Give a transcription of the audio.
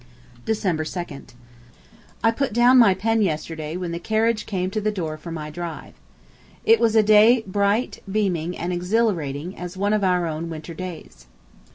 December 2d. I put down my pen yesterday when the carriage came to the door for my drive. It was a day bright, beaming, and exhilarating as one of our own winter days.